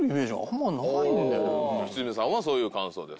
良純さんはそういう感想です。